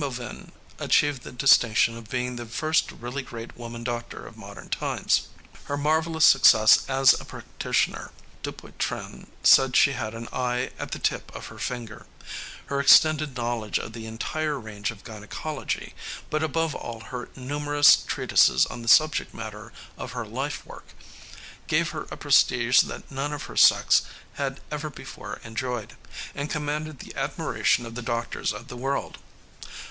Bovin achieved the distinction of being the first really great woman doctor of modern times. Her marvelous success as a practitioner Dupuytren said she had an eye at the tip of her finger her extended knowledge of the entire range of gynecology, but above all her numerous treatises on the subject matter of her life work, gave her a prestige that none of her sex had ever before enjoyed, and commanded the admiration of the doctors of the world.